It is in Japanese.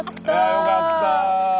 よかった。